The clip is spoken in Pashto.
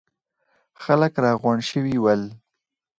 خلک راغونډ شوي ول.